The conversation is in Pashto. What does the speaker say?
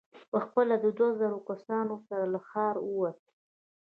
په خپله له دوو زرو کسانو سره له ښاره ووت.